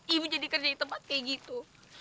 ibu jadi kerja di tempat kayak gitu